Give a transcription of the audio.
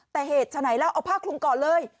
แต่เหตุฉันไหนแล้วเอาพากลงก่อนเลย